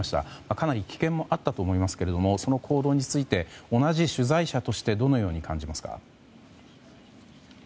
かなり危険もあったと思いますけれどもその行動について同じ取材者としてどのように感じますか？